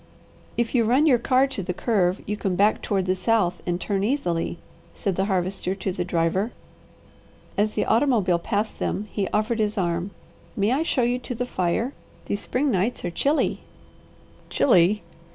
"If you run your car to the curve you can back toward the south and turn easily," said the Harvester to the driver. As the automobile passed them he offered his arm. "May I show you to the fire? These spring nights are chilly." "'Chilly!'